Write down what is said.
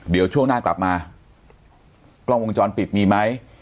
เดี๋ยวช่วงหน้ากลับมากล้องวงจรปิดมีไหม